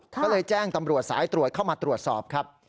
ก็เลยแจ้งตำรวจสายตรวจเข้ามาตรวจสอบครับ